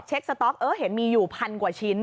เช็คสต๊อกเห็นมีอยู่พันกว่าชิ้น